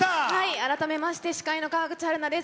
改めまして司会の川口春奈です。